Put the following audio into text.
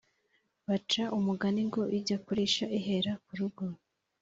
baca umugani ngo ijya kurisha ihera ku rugo.